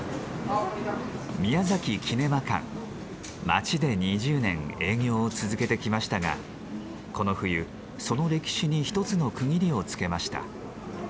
街で２０年営業を続けてきましたがこの冬その歴史に一つの区切りをつけました。